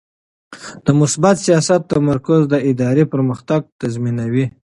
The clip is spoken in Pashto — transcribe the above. د مثبت سیاست تمرکز د ادارې پرمختګ تضمینوي.